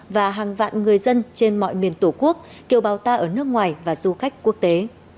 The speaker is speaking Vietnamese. và hàng vạn người dân trên mọi miền tổ quốc kêu bào ta ở nước ngoài và du khách quốc tế